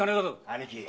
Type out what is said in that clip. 兄貴。